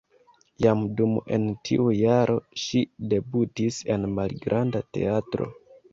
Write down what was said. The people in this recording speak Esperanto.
Jam dum en tiu jaro ŝi debutis en malgranda teatro.